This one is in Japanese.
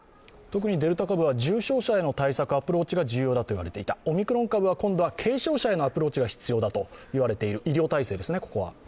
特にデルタ株は重症者への対策、アプローチが重要だと言われていたオミクロン株は今度は軽症者へのアプローチが必要だと言われている、ここは医療体制ですね。